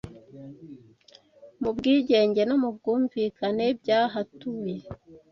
Mu bwigenge no mu bwumvikane byahatuye